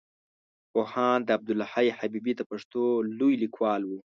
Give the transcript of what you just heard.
پوهاند عبدالحی حبيبي د پښتو لوی ليکوال وو.